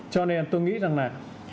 cho nên tôi nghĩ rằng là